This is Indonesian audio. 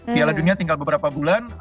piala dunia tinggal beberapa bulan